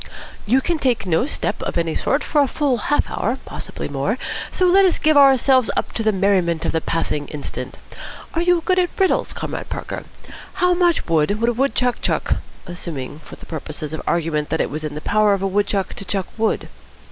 You can take no step of any sort for a full half hour, possibly more, so let us give ourselves up to the merriment of the passing instant. Are you good at riddles, Comrade Parker? How much wood would a wood chuck chuck, assuming for purposes of argument that it was in the power of a wood chuck to chuck wood?"